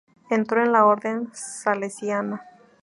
Entró en la orden salesiana.